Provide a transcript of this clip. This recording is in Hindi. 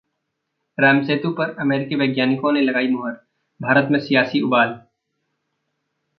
रामसेतु पर अमेरिकी वैज्ञानिकों ने लगाई मुहर, भारत में सियासी उबाल